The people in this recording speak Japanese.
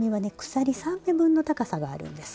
鎖３目分の高さがあるんです。